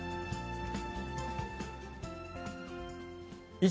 以上、